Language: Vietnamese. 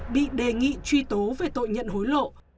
bị đề nghị truy tố về tội nhận hối lộ